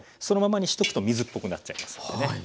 そのままにしとくと水っぽくなっちゃいますんでね。